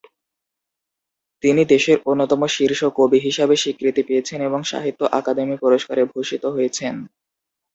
তিনি দেশের অন্যতম শীর্ষ কবি হিসাবে স্বীকৃতি পেয়েছেন এবং সাহিত্য আকাদেমি পুরস্কারে ভূষিত হয়েছেন।